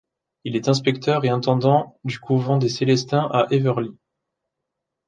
Il est inspecteur et intendant du couvent des Célestins à Heverlee.